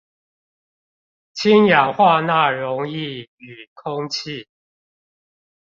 氫氧化鈉溶液與空氣